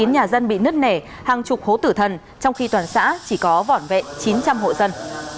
một trăm chín mươi chín nhà dân bị nứt nẻ hàng chục hố tử thần trong khi toàn xã chỉ có vỏn vẹn chín trăm linh hộ dân